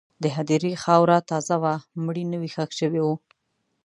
د هدیرې خاوره تازه وه، مړی نوی ښخ شوی و.